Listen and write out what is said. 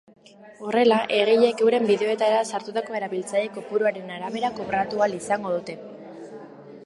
Horrela, egileek euren bideoetara sartutako erabiltzaile kopuruaren arabera kobratu ahal izango dute.